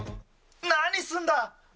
何すんだ。